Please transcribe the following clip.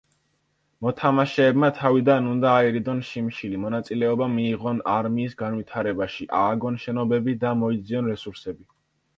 მოთამაშეებმა თავიდან უნდა აირიდონ შიმშილი, მონაწილეობა მიიღონ არმიის განვითარებაში, ააგონ შენობები და მოიძიონ რესურსები.